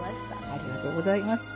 ありがとうございます。